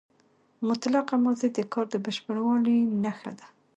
مطلقه ماضي د کار د بشپړوالي نخښه ده.